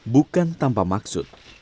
bukan tanpa maksud